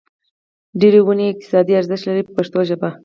ډېرې ونې یې اقتصادي ارزښت لري په پښتو ژبه.